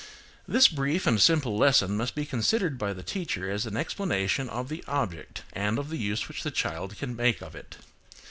This brief and simple lesson must be considered by the teacher as an explanation of the object and of the use which the child can make of it.